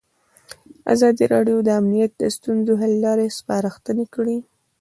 ازادي راډیو د امنیت د ستونزو حل لارې سپارښتنې کړي.